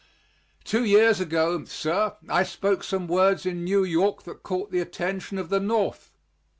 Two years ago, sir, I spoke some words in New York that caught the attention of the North.